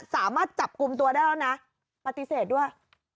สามารถจับกลุ่มตัวได้แล้วนะปฏิเสธด้วย